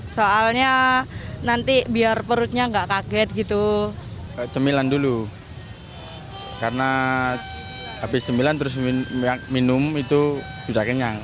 soalnya nanti biar perutnya nggak kaget gitu cemilan dulu karena habis cemilan terus minum itu sudah kenyang